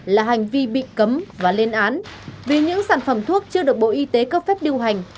là hành vi bị cấm và lên án vì những sản phẩm thuốc chưa được bộ y tế cấp phép điều hành